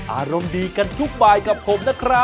อารมณ์ดีกันทุกบายกับผมนะครับ